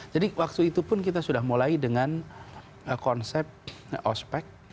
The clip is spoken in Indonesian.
jadi waktu itu pun kita sudah mulai dengan konsep ospec